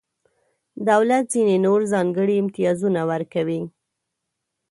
دولت ځینې نور ځانګړي امتیازونه ورکوي.